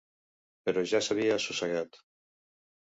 Però ja s'havia assossegat.